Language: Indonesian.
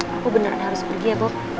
aku beneran harus pergi ya bok